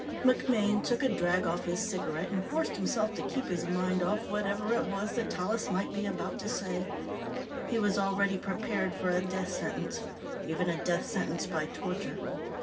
MacMaine took a drag off his cigarette and forced himself to keep his mind off whatever it was that Tallis might be about to say. He was already prepared for a death sentence even a death sentence by torture.